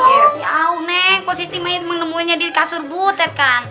ya au neng positif menemunya di kasur butet kan